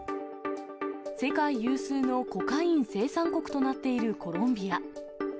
世界有数のコカイン生産国となっているコロンビア。